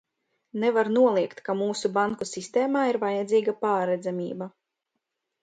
Nevar noliegt, ka mūsu banku sistēmā ir vajadzīga pārredzamība.